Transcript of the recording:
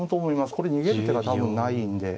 これ逃げる手が多分ないんで。